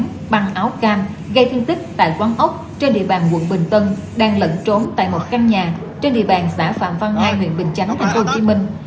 và bằng áo cam gây thương tích tại quán ốc trên địa bàn quận bình tân đang lẫn trốn tại một căn nhà trên địa bàn xã phạm văn hai huyện bình chánh thành phố hồ chí minh